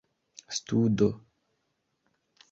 studo